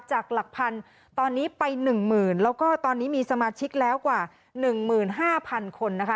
จากหลักพันธุ์ตอนนี้ไปหนึ่งหมื่นแล้วก็ตอนนี้มีสมาชิกแล้วกว่าหนึ่งหมื่นห้าพันคนนะคะ